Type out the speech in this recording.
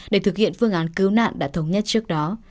để thực hiện phương án cứu nạn đã thống nhất trước đó